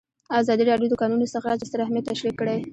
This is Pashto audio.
ازادي راډیو د د کانونو استخراج ستر اهميت تشریح کړی.